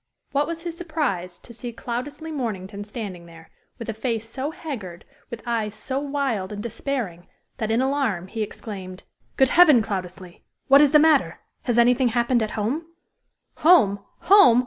What was his surprise to see Cloudesley Mornington standing there, with a face so haggard, with eyes so wild and despairing, that, in alarm, he exclaimed: "Good heaven, Cloudesley. What is the matter? Has anything happened at home?" "Home! home!